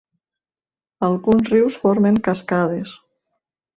Alguns rius formen cascades.